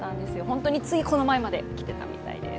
本当についこの前まで来ていたみたいです。